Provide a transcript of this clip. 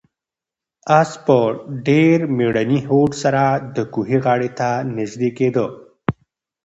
آس په ډېر مېړني هوډ سره د کوهي غاړې ته نږدې کېده.